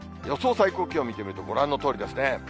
最高気温見てみると、ご覧のとおりですね。